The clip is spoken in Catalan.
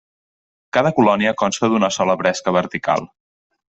Cada colònia consta d'una sola bresca vertical.